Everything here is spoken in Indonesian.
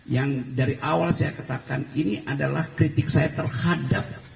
yang dari awal saya katakan ini adalah kritik saya terhadap